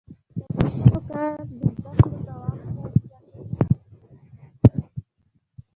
د میرمنو کار د زدکړو دوام پیاوړتیا کوي.